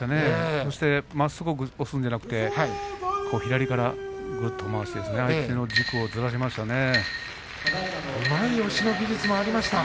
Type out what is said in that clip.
そしてまっすぐ押すんじゃなくて左からぐっと回して相手の軸をずらしましたね。